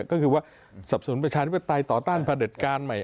ก็คือว่าสับสนุนประชาธิปไตยต่อต้านพระเด็จการใหม่